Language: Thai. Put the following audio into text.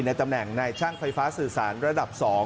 ตำแหน่งในช่างไฟฟ้าสื่อสารระดับ๒